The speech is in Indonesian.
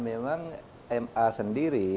memang ma sendiri